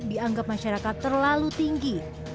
dianggap masyarakat terlalu tinggi